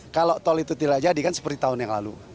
kalau tol itu tidak jadi kan seperti tahun yang lalu